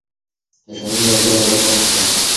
د ټولنیزو اړتیاوو له درکه مه تېښته.